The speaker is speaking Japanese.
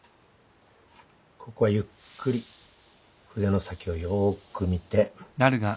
ここはゆっくり筆の先をよーく見て。